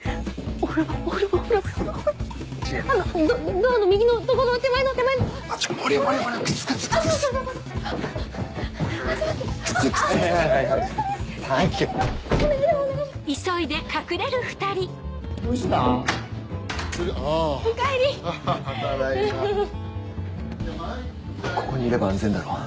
ここにいれば安全だろ。